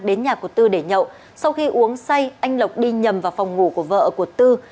đến nhà của tư để nhậu sau khi uống say anh lộc đi nhầm vào phòng ngủ của vợ của tư